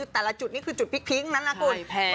แต่ละจุดนี้คือจุดพิ้งนั้นนะคุณ